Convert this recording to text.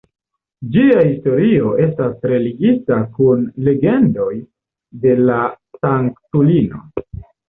Ĝia historio estas tre ligita kun legendoj de la sanktulino.